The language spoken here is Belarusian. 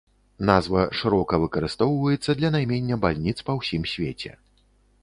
Назва шырока выкарыстоўваецца для наймення бальніц па ўсім свеце.